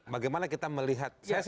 bagaimana kita melihat